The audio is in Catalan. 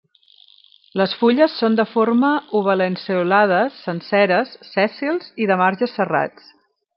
Les fulles són de forma oval-lanceolades, senceres, sèssils i de marges serrats.